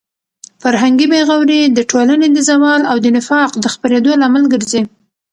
فرهنګي بې غوري د ټولنې د زوال او د نفاق د خپرېدو لامل ګرځي.